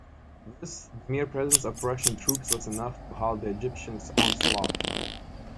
Thus, the mere presence of Russian troops was enough to halt the Egyptian onslaught.